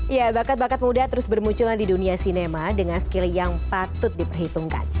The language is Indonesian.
ya bakat bakat muda terus bermunculan di dunia sinema dengan skill yang patut diperhitungkan